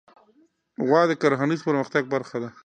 غوا د کرهڼیز پرمختګ برخه ده.